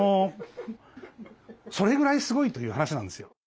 それぐらいすごいという話なんですよ。